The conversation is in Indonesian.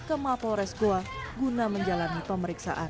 ke mapo res goa guna menjalani pemeriksaan